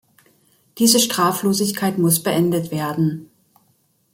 Diese Straflosigkeit muss beendet werden.